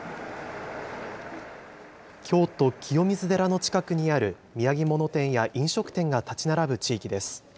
京都・清水寺の近くにある土産物店や飲食店が建ち並ぶ地域です。